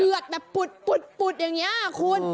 เดือดแบบปุดอย่างนี้คุณ